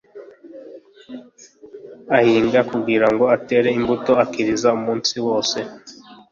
ahinga kugira ngo atere imbuto akiriza umunsi wose